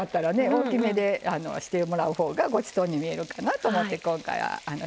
大きめでしてもらうほうがごちそうに見えるかなと思って今回は切ってません。